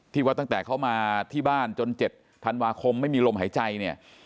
ว่าตั้งแต่เขามาที่บ้านจน๗ธันวาคมไม่มีลมหายใจเนี่ย